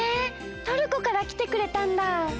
トルコからきてくれたんだ！